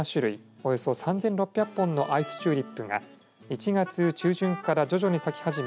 およそ３６００本のアイスチューリップが１月中旬から徐々に咲き始め